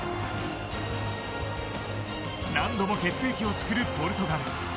何度も決定機をつくるポルトガル。